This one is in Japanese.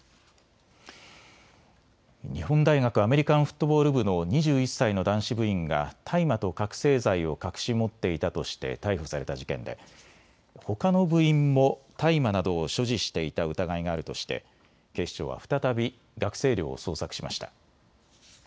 日本大学アメリカンフットボール部の２１歳の男子部員が大麻と覚醒剤を隠し持っていたとして逮捕された事件でほかの部員も大麻などを所持していた疑いがあるとして警視庁は再び学生寮を捜索しました。